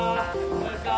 どうですか？